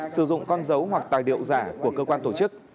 sử dụng con dấu hoặc tài liệu giả của cơ quan tổ chức